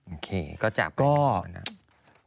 โอเคก็จะต้องการการพูดกันนะ